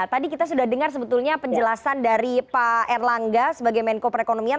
tadi kita sudah dengar sebetulnya penjelasan dari pak erlangga sebagai menko perekonomian